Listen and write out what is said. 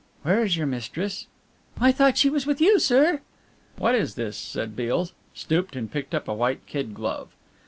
"Where is your mistress?" "I thought she was with you, sir." "What is this?" said Beale, stooped and picked up a white kid glove.